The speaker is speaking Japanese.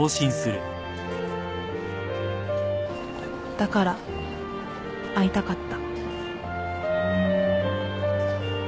だから会いたかった